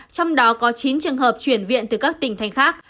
trong đó có chín trường hợp chuyển viện từ các tỉnh thành khác